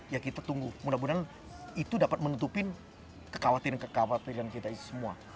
ya kita tunggu mudah mudahan itu dapat menutupin kekhawatiran kekhawatiran kita semua